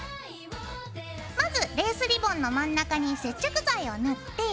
まずレースリボンの真ん中に接着剤を塗って。